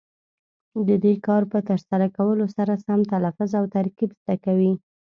د دې کار په ترسره کولو سره سم تلفظ او ترکیب زده کوي.